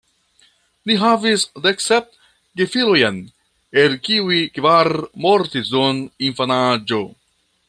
Li havis deksep gefilojn, el kiuj kvar mortis dum infanaĝo.